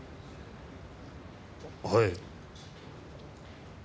はい。